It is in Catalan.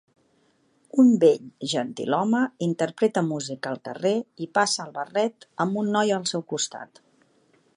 Un vell gentilhome interpreta música al carrer i passa el barret amb un noi al seu costat.